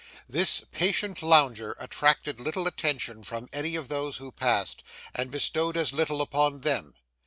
This patient lounger attracted little attention from any of those who passed, and bestowed as little upon them.